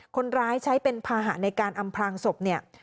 คนร้ายใช้เป็นภาหะในการอำพลางศพเนี่ย